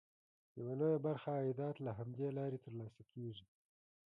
یوه لویه برخه عایدات له همدې لارې ترلاسه کېږي.